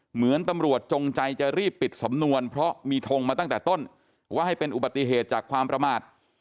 เหมือนตำรวจจงใจจะรีบปิดสำนวนเพราะมีทงมาตั้งแต่ต้นว่าให้เป็นอุบัติเหตุจากความประมาท